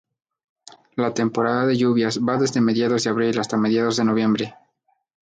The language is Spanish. La temporada de lluvias va desde mediados de abril hasta mediados de noviembre.